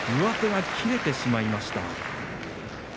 上手が切れてしまいました。